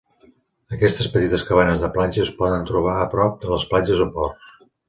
Aquestes petites cabanes de platja es poden trobar a prop de les platges o ports.